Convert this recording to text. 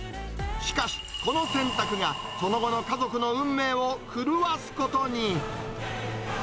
しかしこの選択が、その後の家族の運命を狂わすことに。